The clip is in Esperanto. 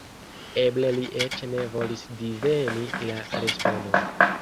Eble li eĉ ne volis diveni la respondon.